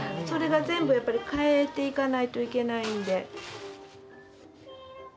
それが全部やっぱり変えていかないといけないんで。